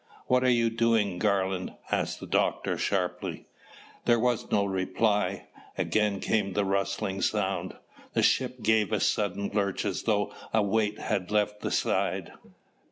"What are you doing, Garland?" asked the doctor sharply. There was no reply. Again came the rustling sound. The ship gave a sudden lurch as though a weight had left the side.